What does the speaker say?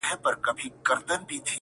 o گيدړي ته خپله لکۍ بلا سوه٫